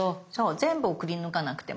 全部をくりぬかなくても。